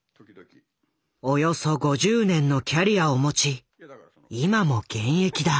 およそ５０年のキャリアを持ち今も現役だ。